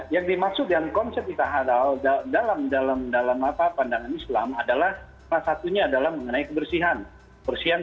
yang dimaksud dengan konsep itaharal dalam pandangan islam adalah salah satunya adalah mengenai kebersihan